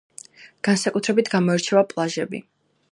განსაკუთრებით გამოირჩევა პლაჟები.